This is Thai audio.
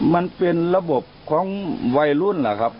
มันเป็นระบบของวัยรุ่นนะครับ